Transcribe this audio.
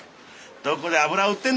どこで油を売ってんだか。